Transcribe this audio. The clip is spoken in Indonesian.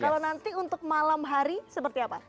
kalau nanti untuk malam hari seperti apa